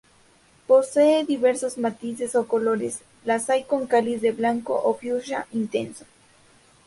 Posee diversos matices o colores: las hay con cáliz desde blanco a fucsia intenso.